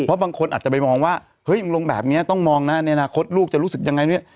เพราะบางคนอาจจะไปมองว่าเฮ้ยลงแบบนี้ต้องมองนะในอนาคตลูกจะรู้สึกยังไงเนี่ย